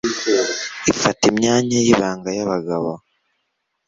ifata imyanya y'ibanga y'abagabo